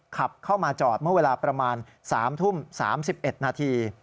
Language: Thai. ขับเข้ามาจอดเมื่อเวลาประมาณ๓ทุ่ม๓๑นาที